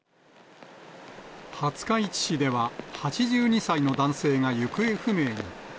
廿日市市では、８２歳の男性が行方不明に。